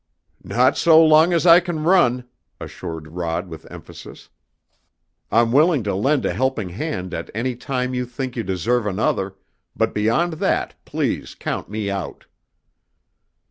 "Not so long as I can run!" assured Rod with emphasis. "I'm willing to lend a helping hand at any time you think you deserve another, but beyond that please count me out!"